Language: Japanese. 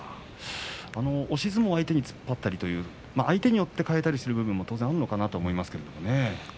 押し相撲相手に突っ張ったりと相手によって変えたりする部分もあるのかなと思いますけれどもね。